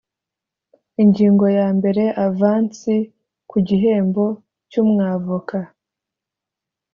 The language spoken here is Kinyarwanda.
Ingingo ya mbere Avansi ku gihembo cy umwavoka